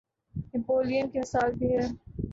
نپولین کی مثال بھی ہے۔